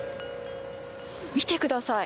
見てください。